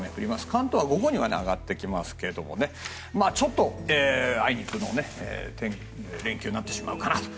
関東は午後にはあがってきますがちょっとあいにくの連休になってしまうかなと。